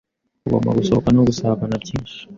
Ugomba gusohoka no gusabana byinshi.